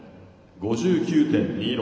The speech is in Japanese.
５９．２６。